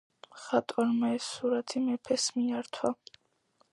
მხატვარმა ეს სურათი მეფეს მიართვა.